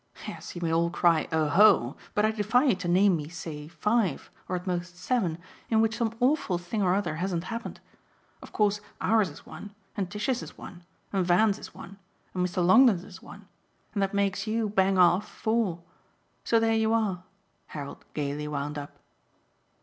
Yes, you may all cry 'Oho!' but I defy you to name me say five, or at most seven, in which some awful thing or other hasn't happened. Of course ours is one, and Tishy's is one, and Van's is one, and Mr. Longdon's is one, and that makes you, bang off, four. So there you are!" Harold gaily wound up.